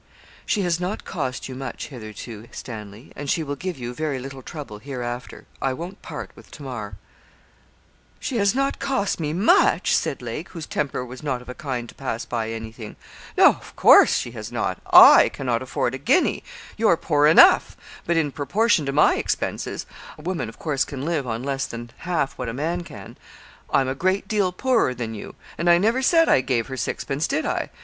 'She has not cost you much hitherto, Stanley, and she will give you very little trouble hereafter. I won't part with Tamar.' 'She has not cost me much?' said Lake, whose temper was not of a kind to pass by anything. 'No; of course, she has not. I can't afford a guinea. You're poor enough; but in proportion to my expenses a woman, of course, can live on less than half what a man can I'm a great deal poorer than you; and I never said I gave her sixpence did I?